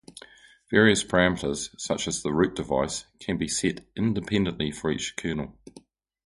Various parameters, such as the root device, can be set independently for each kernel.